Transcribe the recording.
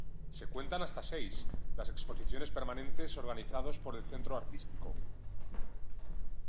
Se cuentan hasta seis, las exposiciones permanentes organizados por el Centro Artístico.